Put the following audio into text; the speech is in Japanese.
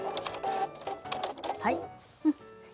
はい。